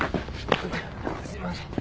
痛っすいません。